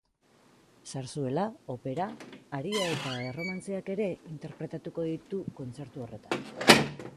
Zarzuela, opera, aria eta erromantzeak ere interpretatuko ditu kontzertu horretan.